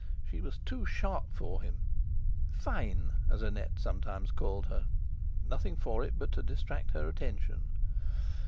She was too sharp for him; fine, as Annette sometimes called her. Nothing for it but to distract her attention.